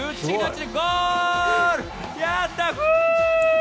やった！